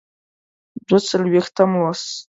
دوه څلویښتم لوست.